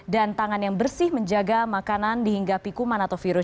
dan tangan yang bersih menjaga makanan dihingga pikuman atau virus